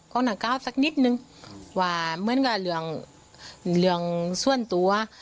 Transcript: ของหน้าขาวสักนิดหนึ่งว่าเหมือนกับเรื่องเรื่องส่วนตัว